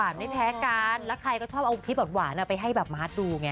ไม่แพ้กันแล้วใครก็ชอบเอาคลิปหวานไปให้แบบมาร์ทดูไง